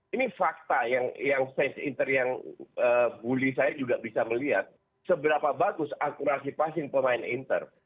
ini fakta yang sains inter yang bully saya juga bisa melihat seberapa bagus akurasi passing pemain inter